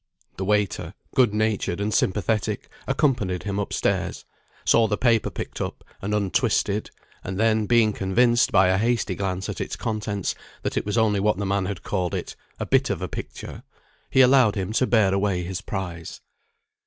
The waiter, good natured and sympathetic, accompanied him up stairs; saw the paper picked up and untwisted, and then being convinced, by a hasty glance at its contents, that it was only what the man had called it, "a bit of a picture," he allowed him to bear away his prize.